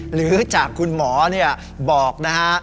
หรือจากคุณหมอบอกนะฮะ